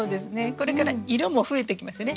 これから色も増えてきますよね。